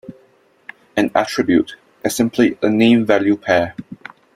An "attribute" is simply a name-value pair.